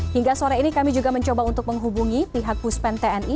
hingga sore ini kami juga mencoba untuk menghubungi pihak puspen tni